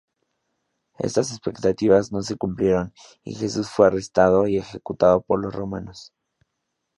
Estas expectativas no se cumplieron, y Jesús fue arrestado y ejecutado por los romanos.